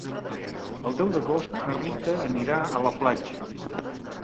El deu d'agost na Rita anirà a la platja.